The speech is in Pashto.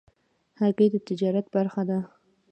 هګۍ د تجارت برخه ده.